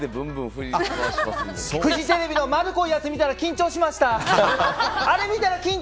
フジテレビの丸っこいやつ見たら緊張しました！